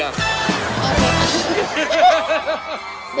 โอเคค่ะ